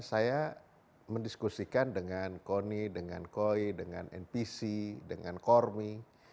saya mendiskusikan dengan koni dengan koi dengan npc dengan kormi